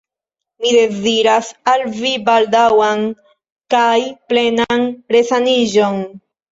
Mi deziras al vi baldaŭan kaj plenan resaniĝon.